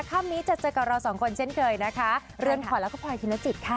ค่ำนี้จะเจอกับเราสองคนเช่นเคยนะคะเรือนขวัญแล้วก็พลอยธินจิตค่ะ